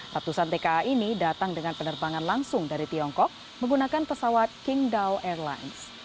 ratusan tka ini datang dengan penerbangan langsung dari tiongkok menggunakan pesawat kingdow airlines